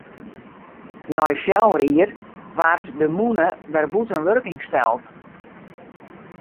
Nei fjouwer jier waard de mûne wer bûten wurking steld.